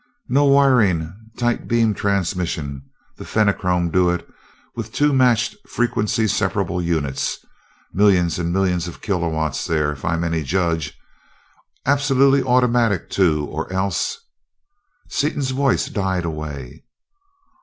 "No wiring tight beam transmission. The Fenachrone do it with two matched frequency separable units. Millions and millions of kilowatts there, if I'm any judge. Absolutely automatic too, or else " Seaton's voice died away.